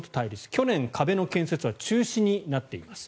去年、壁の建設は中止になっています。